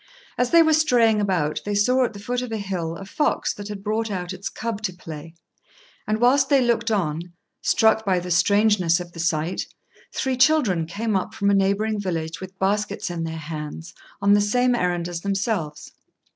As they were straying about, they saw at the foot of a hill a fox that had brought out its cub to play; and whilst they looked on, struck by the strangeness of the sight, three children came up from a neighbouring village with baskets in their hands, on the same errand as themselves.